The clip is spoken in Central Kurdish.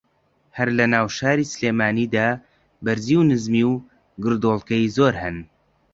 ھەر لە ناو شاری سلێمانی دا بەرزی و نزمی و گردۆڵکەی زۆر ھەن